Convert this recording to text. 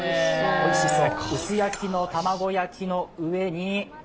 おいしそう。